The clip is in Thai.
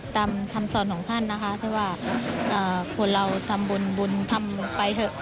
ตามคำสอนของท่านนะคะว่าควรเราทำบุญบุญทำไปเถอะ